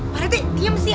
pak rete diam sih